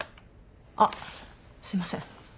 あっすいません。